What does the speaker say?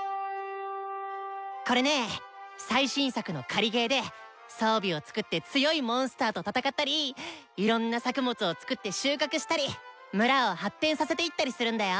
これね最新作の狩りゲーで装備を作って強いモンスターと戦ったりいろんな作物を作って収穫したり村を発展させていったりするんだよ。